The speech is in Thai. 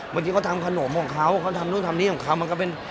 บางทีเขาทำขนมของเขาเขาทำนู่นทำนี่ของเขามันก็เป็น